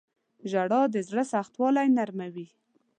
• ژړا د زړه سختوالی نرموي.